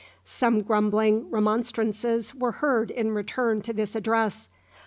Some grumbling remonstrances were heard in return to this address.